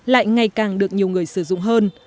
lại ngày càng được nhiều người sử dụng hơn